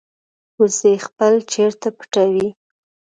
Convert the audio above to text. وزې خپل چرته پټوي